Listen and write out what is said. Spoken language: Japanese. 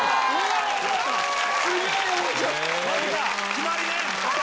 決まりね！